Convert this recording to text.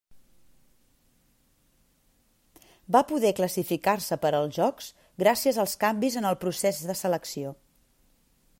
Va poder classificar-se per als Jocs gràcies als canvis en el procés de selecció.